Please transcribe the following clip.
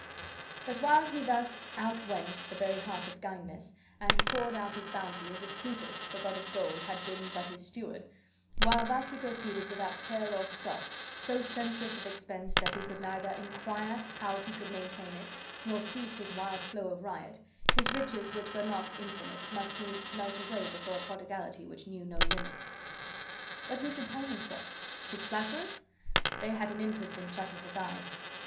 But while he thus outwent the very heart of kindness, and poured out his bounty, as if Plutus, the god of gold, had been but his steward; while thus he proceeded without care or stop, so senseless of expense that he would neither inquire how he could maintain it nor cease his wild flow of riot his riches, which were not infinite, must needs melt away before a prodigality which knew no limits. But who should tell him so? His flatterers? They had an interest in shutting his eyes.